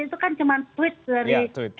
itu kan cuma tweet dari